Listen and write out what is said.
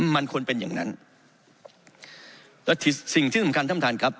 มันควรเป็นอย่างนั้นและสิ่งที่สำคัญท่านท่านครับ